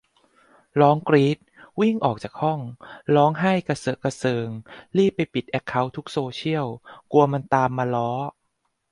ร้องกรี๊ด วิ่งออกจากห้อง ร้องไห้กระเซอะกระเซิง รีบไปปิดแอคเคานท์ทุกโซเซียล กลัวมันตามมาล้อ